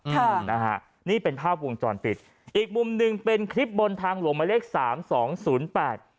ค่ะนะฮะนี่เป็นภาพวงจรปิดอีกมุมหนึ่งเป็นคลิปบนทางหลวงหมายเลขสามสองศูนย์แปด